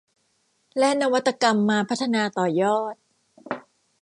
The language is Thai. และนวัตกรรมมาพัฒนาต่อยอด